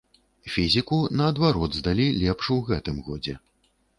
Фізіку, наадварот, здалі лепш у гэтым годзе.